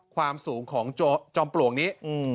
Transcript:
ความสูงของจอมปลวกนี้